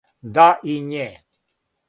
Да, и ње.